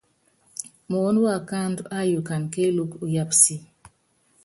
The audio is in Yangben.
Muɔ́nɔ wákáandú áyukana kéelúku, uyaapa si.